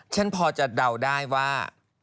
ฉันพอจะเดาได้ว่า